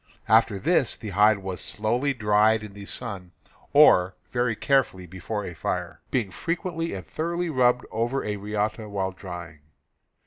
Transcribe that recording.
After this the hide was slowly dried in the TANNING PELTS 293 sun or very carefully before a fire, being frequently and thoroughly rubbed over a riata while drying.